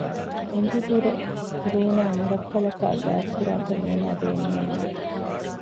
އެނގިހުރެ ރޫނާ ނުރައްކަލަކާ ގާތްކުރާކަށް އޭނާ ބޭނުމެއް ނުވެ